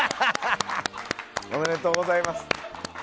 おめでとうございます！